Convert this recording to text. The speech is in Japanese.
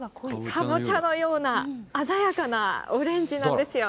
カボチャのような鮮やかなオレンジなんですよ。